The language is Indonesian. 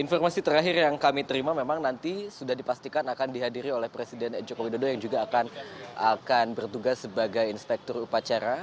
informasi terakhir yang kami terima memang nanti sudah dipastikan akan dihadiri oleh presiden joko widodo yang juga akan bertugas sebagai inspektur upacara